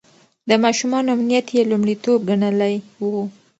د ماشومانو امنيت يې لومړيتوب ګڼلی و.